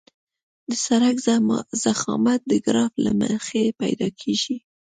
د سرک ضخامت د ګراف له مخې پیدا کیږي